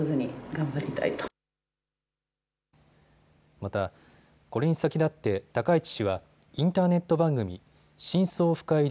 また、これに先立って高市氏はインターネット番組、真相深入り！